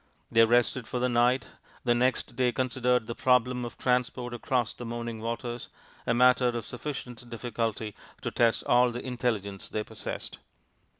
They rested for the night, and next day considered the problem of transport across the moaning waters a matter of sufficient difficulty to test all the intelligence they possessed.